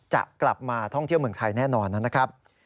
จะกลับมาท่องเที่ยวเมืองไทยแน่นอนนะครับ